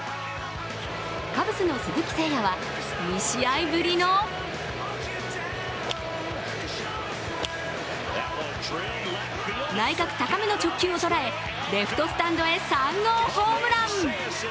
カブスの鈴木誠也は２試合ぶりの内角高めの直球を捉えレフトスタンドへ３号ホームラン。